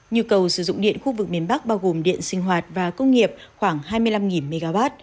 nhu cầu sử dụng điện khu vực miền bắc bao gồm điện sinh hoạt và công nghiệp khoảng hai mươi năm mw